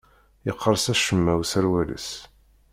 Yeqqers acemma userwal-is.